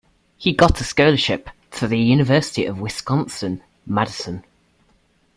He got a scholarship to the University of Wisconsin-Madison.